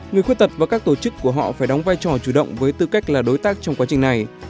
người khuyết tật và các tổ chức của họ phải đóng vai trò chủ động với tư cách là đối tác trong quá trình này